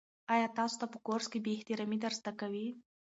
آیا تاسو ته په کورس کې بې احترامي در زده کوي؟